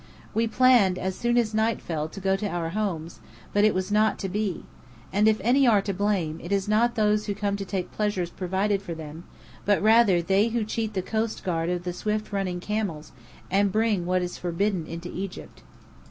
We planned as soon as night fell to go to our homes; but it was not to be. And if any are to blame, it is not those who come to take pleasures provided for them, but rather they who cheat the coastguard of the swift running camels, and bring what is forbidden into Egypt."